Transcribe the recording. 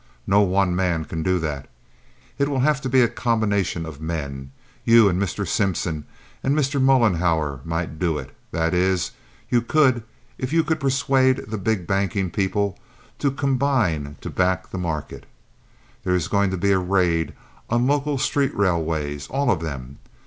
No one man can do that. It will have to be a combination of men. You and Mr. Simpson and Mr. Mollenhauer might do it—that is, you could if you could persuade the big banking people to combine to back the market. There is going to be a raid on local street railways—all of them.